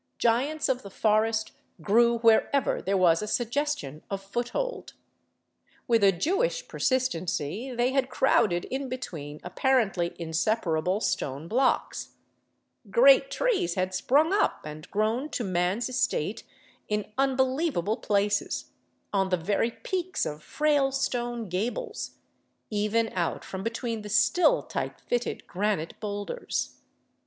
Giants of the forest grew wherever there was a suggestion of foothold; with a Jewish persistency they had crowded in between apparently inseparable stone blocks; great trees had sprung up and grown to man's estate in unbelievable places, on the very peaks of frail stone gables, even out from between the still tight fitted granite boul ders.